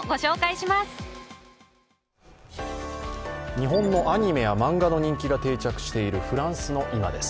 日本のアニメや漫画の人気が定着しているフランスの今です。